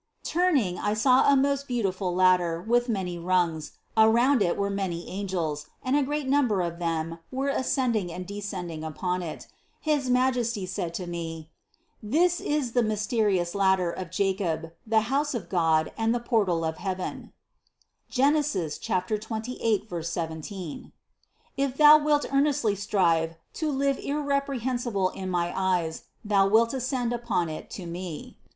Turning I saw a most beautiful lad der with many rungs; around it were many angels, and a great number of them were ascending and descending upon it His Majesty said to me: "This is the mys terious ladder of Jacob, the house of God and the portal of heaven (Gen. 28, 17) ; if thou wilt earnestly strive to live irreprehensible in my eyes, thou wilt ascend upon it to Me."